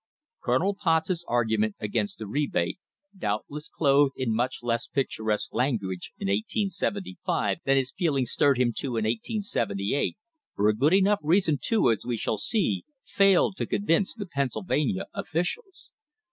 Colonel Potts's argument against the rebate — doubtless clothed in much less picturesque language in 1875 than his feelings stirred him to in 1878, for a good enough reason, too, as we shall see — failed to convince the Pennsylvania officials.